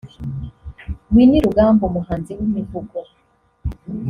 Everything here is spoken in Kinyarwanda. Winnie Rugamba umuhanzi w’imivugo